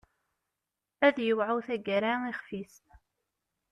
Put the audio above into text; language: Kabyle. Ad yewɛu taggara ixef-is.